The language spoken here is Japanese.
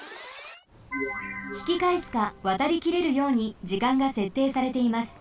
ひきかえすかわたりきれるように時間がせっていされています。